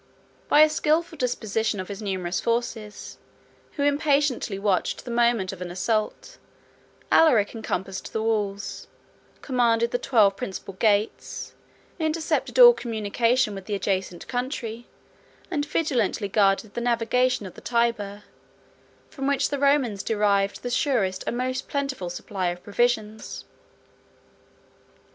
74 By a skilful disposition of his numerous forces, who impatiently watched the moment of an assault, Alaric encompassed the walls, commanded the twelve principal gates, intercepted all communication with the adjacent country, and vigilantly guarded the navigation of the Tyber, from which the Romans derived the surest and most plentiful supply of provisions.